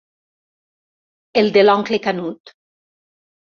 El de l'oncle Canut.